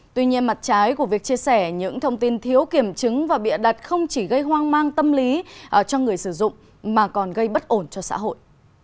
tuy nhiên mặt trái của việc chia sẻ những thông tin thiếu kiểm chứng và bịa đặt không chỉ gây hoang mang tâm lý cho người sử dụng mà còn gây bất ổn cho xã hội